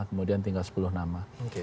kemudian tinggal sepuluh nama